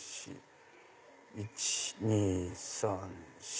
１・２・３・４。